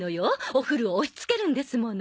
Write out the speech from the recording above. お古を押し付けるんですもの。